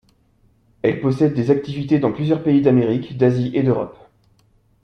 Elle possède des activités dans plusieurs pays d’Amérique, d’Asie et d’Europe.